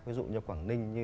ví dụ như quảng ninh